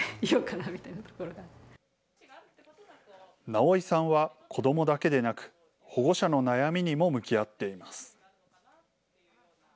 直井さんは子どもだけでなく、保護者の悩みにも向き合っています。